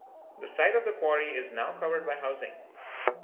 The site of the quarry is now covered by housing.